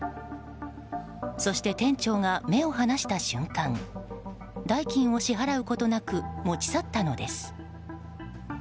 そして、店長が目を離した瞬間代金を支払うことなく持ち去ったのです。